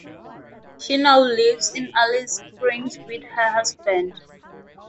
She now lives in Alice Springs with her husband.